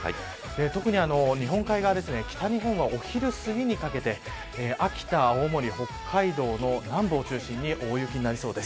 特に日本海側ですね北日本は昼すぎにかけて秋田、青森、北海道の南部を中心に大雪になりそうです。